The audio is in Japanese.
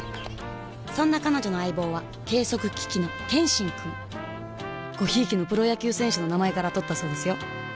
そんな彼女の相棒は計測機器の「ケンシン」くんご贔屓のプロ野球選手の名前からとったそうですよ